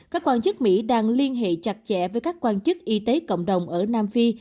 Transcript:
các quan chức mỹ đang liên hệ chặt chẽ với các quan chức y tế cộng đồng ở nam phi